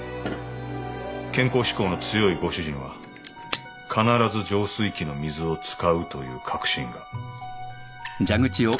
健康志向の強いご主人は必ず浄水器の水を使うという確信が。